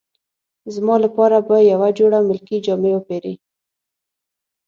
زما لپاره به یوه جوړه ملکي جامې وپیرې.